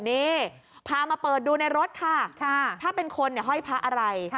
นี่พามาเปิดดูในรถค่ะถ้าเป็นคนห้อยพระอะไร